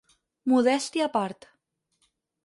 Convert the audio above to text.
Modèstia a part.